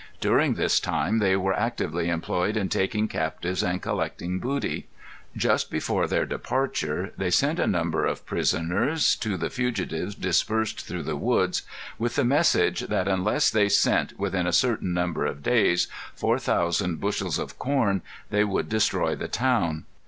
During this time, they were actively employed in taking captives and collecting booty. Just before their departure, they sent a number of prisoners to the fugitives dispersed through the woods, with the message that unless they sent, within a certain number of days, four thousand bushels of corn, they would destroy the town.